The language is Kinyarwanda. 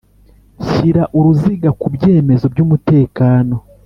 Shyira uruziga ku byemezo by umutekano